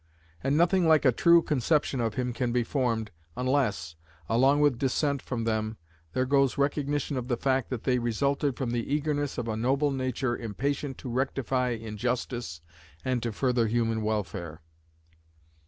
And nothing like a true conception of him can be formed, unless, along with dissent from them, there goes recognition of the fact that they resulted from the eagerness of a noble nature impatient to rectify injustice and to further human welfare.